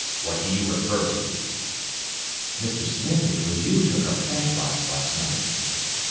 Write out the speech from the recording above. What do you refer to?" "Mr. Smith, it was you took our cash box last night."